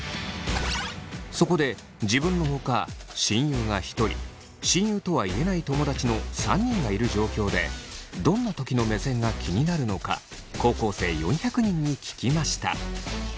そこで自分のほか親友が１人親友とは言えない友達の３人がいる状況でどんなときの目線が気になるのか高校生４００人に聞きました。